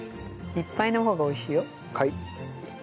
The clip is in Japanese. いっぱいの方が美味しい。